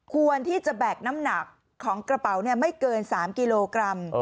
ควรที่จะแบกน้ำหนักของกระเป๋าไม่เกิน๓กิโลกรัม